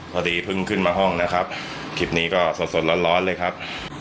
พอดีเพิ่งขึ้นมาห้องนะครับคลิปนี้ก็สดสดร้อนเลยครับ